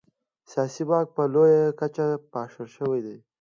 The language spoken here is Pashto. سیاسي واک په لویه کچه پاشل شوی و.